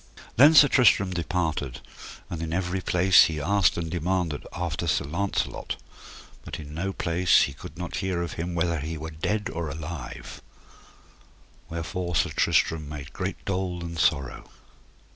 Then Sir Tristram departed, and in every place he asked and demanded after Sir Launcelot, but in no place he could not hear of him whether he were dead or alive; wherefore Sir Tristram made great dole and sorrow.